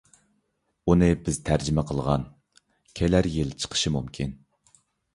ئۇنى بىز تەرجىمە قىلغان. كېلەر يىل چىقىشى مۇمكىن.